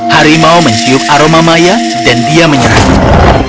harimau mencium aroma maya dan dia menyerang